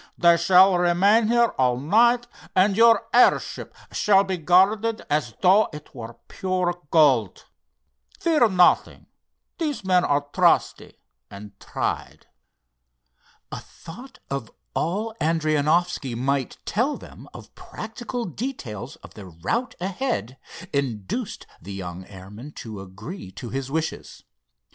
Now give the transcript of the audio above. They shall remain here all night, and your airship shall be guarded as though it were pure gold. Fear nothing, these men are trusty and tried." A thought of all Adrianoffski might tell them of practical details of their route ahead, induced the young airman to agree to his wishes.